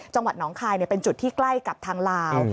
จังหวัดหนองคลายเป็นจุดที่ใกล้กับทางลาว